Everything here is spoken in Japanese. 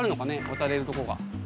渡れるとこが。